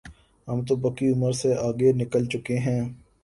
ہم تو پکی عمر سے آگے نکل چکے ہیں۔